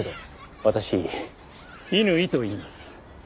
私伊縫といいます。